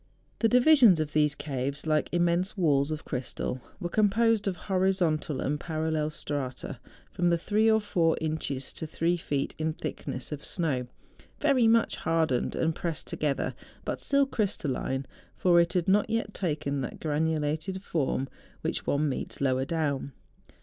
The divisions of these caves, like immense walls of crystal, were composed of horizontal iind parallel strata from thr^e or four inches to three feet in thickness of snow, very much hardened and pressed together, but still crystalline; for it had not yet taken that granulated form which one meets lower down.